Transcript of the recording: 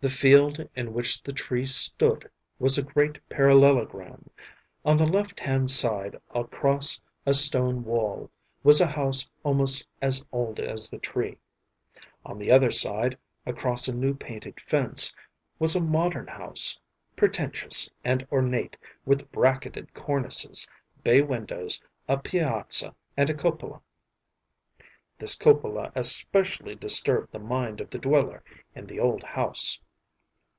The field in which the tree stood was a great parallelogram. On the left hand side, across a stone wall, was a house almost as old as the tree. On the other side, across a new painted fence, was a modern house, pretentious and ornate with bracketed cornices, bay windows, a piazza, and a cupola. This cupola especially disturbed the mind of the dweller in the old house.